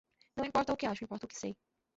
Não importa o que acho, importa o que sei